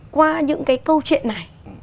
qua những cái câu chuyện này